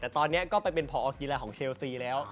แต่ตอนนี้ก็ไปเป็นผอกีฬาของเชลซีแล้ว